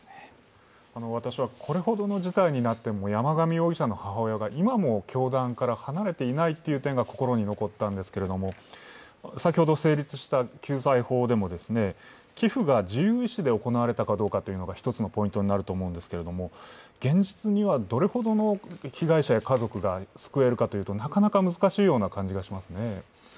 私はこれほどの事態になっても山上容疑者の母親が今も教団から離れていないという点が心に残ったんですけれども、先ほど成立した救済法でも、寄付が自由意志で行われたかどうかというのが一つのポイントになると思うんですけれども、現実にはどれほどの被害者や家族が救えるかというとなかなか難しいような感じがしますね。